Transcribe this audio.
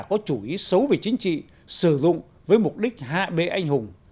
có chủ ý xấu về chính trị sử dụng với mục đích hạ bệ anh hùng